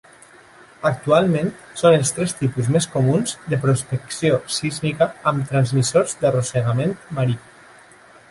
Actualment són els tres tipus més comuns de prospecció sísmica amb transmissors d"arrossegament marí.